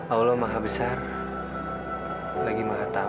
allah maha besar lagi maha tahu